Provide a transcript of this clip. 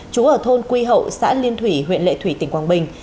chú ở thôn quy hậu xã liên thủy huyện lệ thủy tỉnh quảng bình